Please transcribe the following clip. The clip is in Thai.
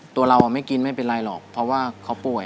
ตัวเราไม่กินไม่เป็นไรหรอกเพราะว่าเขาป่วย